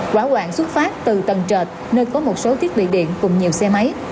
quả quạng xuất phát từ tầng trệt nơi có một số thiết bị điện cùng nhiều xe máy